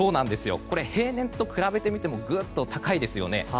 平年と比べてみてもぐっと高いですよね。